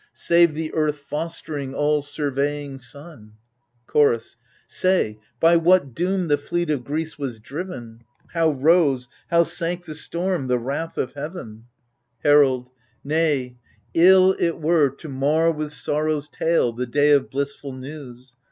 Save the earth fostering, all surveying Sun, Chorus Say, by what doom the fleet of Greece was driven ? How rose, how sank the storm, the wrath of heaven ? 30 AGAMEMNON Herald Nay, ill it were to mar with sorrow's tale The day of blissful news.